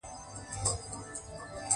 د چا په ظاهري حالت قضاوت مه کوه.